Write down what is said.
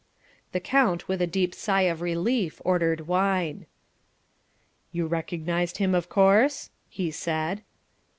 The count with a deep sigh of relief ordered wine. "You recognized him, of course?" he said.